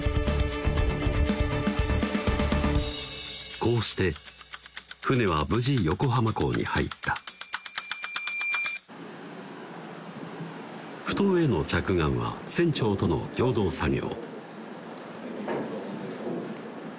こうして船は無事横浜港に入った埠頭への着岸は船長との共同作業